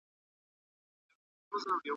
دار ته دي نوم وښیم څوک خو به څه نه وايي